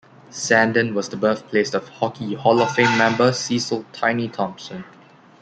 Sandon was the birthplace of hockey Hall of Fame member Cecil "Tiny" Thompson.